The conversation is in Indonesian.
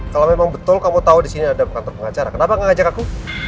kalau memang betul kamu tahu di sini ada kantor pengacara kenapa gak ngajak aku